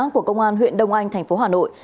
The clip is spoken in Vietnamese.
của công an huyện đông anh tp hà nội